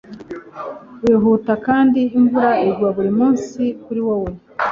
Wihuta kandi imvura igwa buri munsi kuri wowe